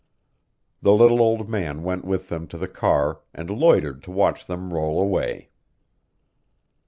The little old man went with them to the car and loitered to watch them roll away.